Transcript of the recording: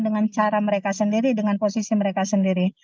dengan cara mereka sendiri dengan posisi mereka sendiri